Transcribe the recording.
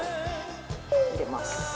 入れます。